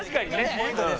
・ポイントです。